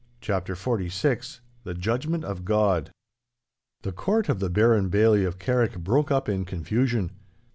*CHAPTER XLVI* *THE JUDGMENT OF GOD* The court of the Baron Bailzie of Carrick broke up in confusion.